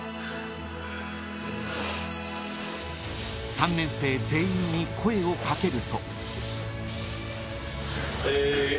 ［３年生全員に声をかけると］